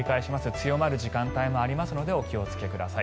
強まる時間帯もありますのでお気をつけください。